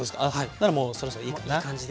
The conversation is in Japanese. ならもうそろそろいいかな。